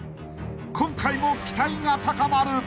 ［今回も期待が高まる］